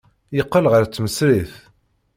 Yeqqel ɣer tmesrit.